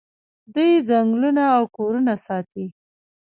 دوی ځنګلونه او کورونه ساتي.